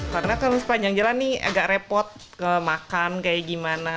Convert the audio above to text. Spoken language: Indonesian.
karena kan sepanjang jalan nih agak repot ke makan kayak gimana